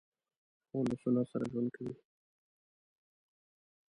خور له سنت سره ژوند کوي.